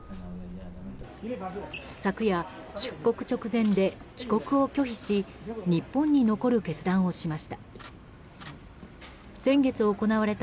昨夜、出国直前で帰国を拒否し日本に残る決断をしました。